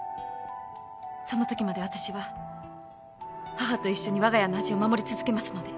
そのときまで私は母と一緒にわが家の味を守り続けますので。